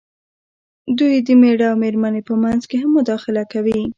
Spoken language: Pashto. دوی د مېړۀ او مېرمنې په منځ کې هم مداخله کوي.